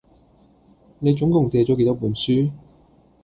你總共借咗幾多本書？